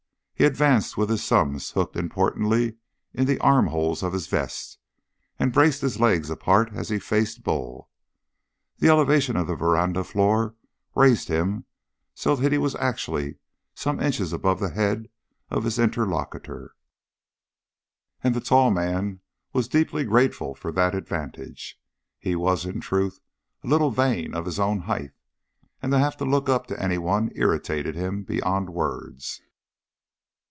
He advanced with his thumbs hooked importantly in the arm holes of his vest and braced his legs apart as he faced Bull. The elevation of the veranda floor raised him so that he was actually some inches above the head of his interlocutor, and the tall man was deeply grateful for that advantage. He was, in truth, a little vain of his own height, and to have to look up to anyone irritated him beyond words.